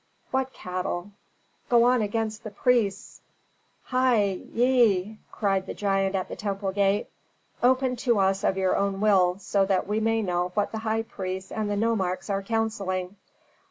"What cattle! Go on against the priests!" "Hei, ye!" cried the giant at the temple gate. "Open to us of your own will, so that we may know what the high priests and the nomarchs are counselling!"